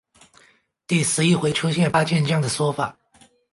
第十一回出现八健将的说法。